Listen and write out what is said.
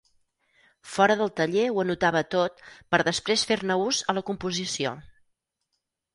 Fora del taller ho anotava tot per després fer-ne ús a la composició.